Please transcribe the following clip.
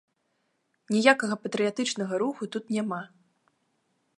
Ніякага патрыятычнага руху тут няма.